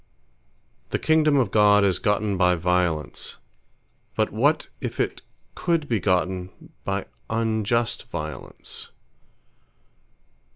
The Kingdome of God is gotten by violence; but what if it could be gotten by unjust violence?